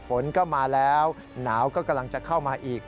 ฝนก็มาแล้วหนาวก็กำลังจะเข้ามาอีก